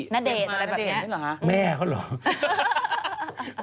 ณเดชน์อะไรแบบนี้